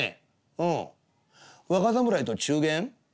「うん若侍と中間？